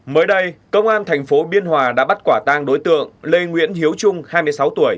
mới đây công an thành phố biên hòa đã bắt quả tang đối tượng lê nguyễn hiếu trung hai mươi sáu tuổi